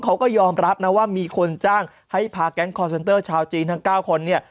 เขาก็ยอมรับนะว่ามีคนจ้างให้พาแก๊งคอร์เซนเตอร์ชาวจีนทั้ง๙คนเนี่ย